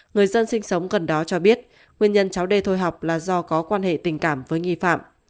người dân sinh sống gần đó cho biết nguyên nhân cháu đê thôi học là do có quan hệ tình cảm với nghi phạm